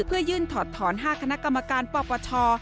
เพื่อยื่นถอดถอน๕คณะกรรมการปปช